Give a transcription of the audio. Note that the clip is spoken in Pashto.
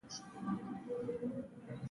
ژوند په خوښۍ کیږي.